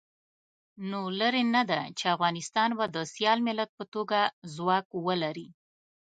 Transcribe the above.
نو لرې نه ده چې افغانستان به د سیال ملت په توګه ځواک ولري.